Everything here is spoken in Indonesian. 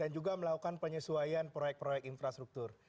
dan juga melakukan penyesuaian proyek proyek infrastruktur